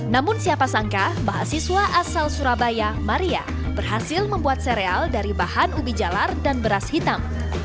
namun siapa sangka mahasiswa asal surabaya maria berhasil membuat sereal dari bahan ubi jalar dan beras hitam